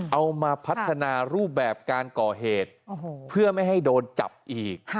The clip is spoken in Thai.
เอามาพัฒนารูปแบบการก่อเหตุเพื่อไม่ให้โดนจับอีก